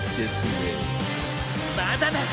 まだだ。